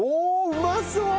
うまそう！